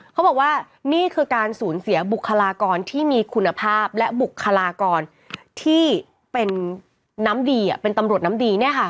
เขาบอกว่านี่คือการสูญเสียบุคลากรที่มีคุณภาพและบุคลากรที่เป็นน้ำดีเป็นตำรวจน้ำดีเนี่ยค่ะ